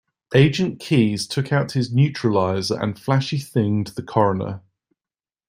Agent Keys took out his neuralizer and flashy-thinged the coroner.